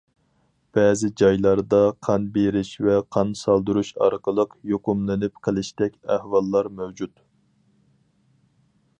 بەزى جايلاردا قان بېرىش ۋە قان سالدۇرۇش ئارقىلىق يۇقۇملىنىپ قېلىشتەك ئەھۋاللار مەۋجۇت.